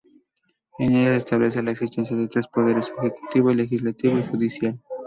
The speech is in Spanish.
En ella se establece la existencia de tres poderes: ejecutivo, legislativo y judicial.